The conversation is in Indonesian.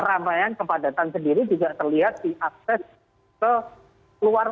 ramai yang kepadatan sendiri juga terlihat diakses ke luar